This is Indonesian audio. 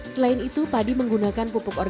selain itu padi menggunakan pupuk organ